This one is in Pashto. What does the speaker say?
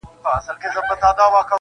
اصلي پوښتني ته بشپړ جواب نه مومي-